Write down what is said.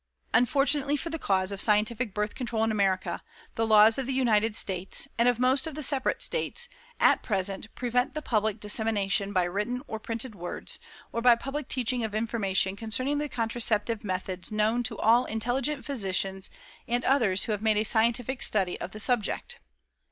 Unfortunately for the cause of scientific Birth Control in America, the laws of the United States (and of most of the separate States) at present prevent the public dissemination by written or printed words, or by public teaching of information concerning the contraceptive methods known to all intelligent physicians and others who have made a scientific study of the subject.